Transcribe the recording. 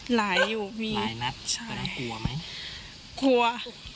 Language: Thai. หลายอยู่มีหลายนัดใช่ร้ายนัดกลัวไหม